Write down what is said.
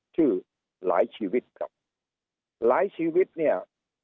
ชื่อหลายชีวิตครับหลายชีวิตเนี่ย